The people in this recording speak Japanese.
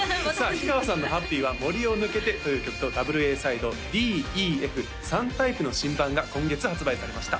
氷川さんの「Ｈａｐｐｙ！」は「森を抜けて」という曲とダブルＡサイドＤＥＦ３タイプの新盤が今月発売されました